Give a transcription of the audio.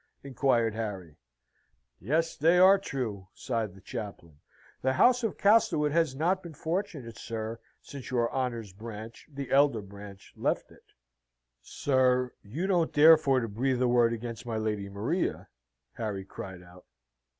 inquired Harry. "Yes, they are true," sighed the chaplain. "The house of Castlewood has not been fortunate, sir, since your honour's branch, the elder branch, left it." "Sir, you don't dare for to breathe a word against my Lady Maria?" Harry cried out.